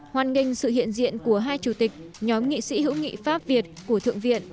hoàn nghênh sự hiện diện của hai chủ tịch nhóm nghị sĩ hữu nghị pháp việt của thượng viện